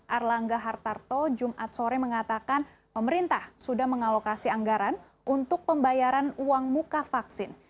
erlangga hartarto jumat sore mengatakan pemerintah sudah mengalokasi anggaran untuk pembayaran uang muka vaksin